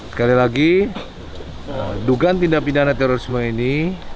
sekali lagi dugaan tindak pidana terorisme ini